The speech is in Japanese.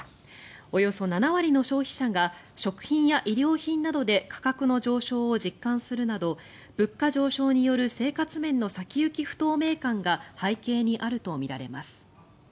およそ７割の消費者が食品や衣料品などで価格の上昇を実感するなど物価上昇による生活面の先行き不透明感が背景にあるとみられます。